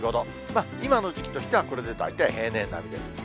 今の時期としてはこれで大体平年並みです。